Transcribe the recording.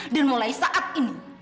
dan mulai saat ini